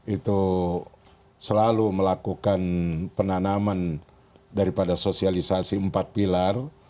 itu selalu melakukan penanaman daripada sosialisasi empat pilar